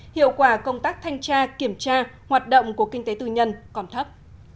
hiệu quả công tác thanh tra kiểm tra hoạt động của kinh tế tư nhân còn thấp